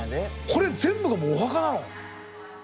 これ全部がお墓なの？